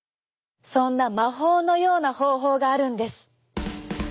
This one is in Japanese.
そんな魔法のような方法があるんです。